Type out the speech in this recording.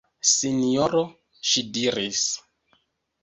Sinjoro, ŝi diris.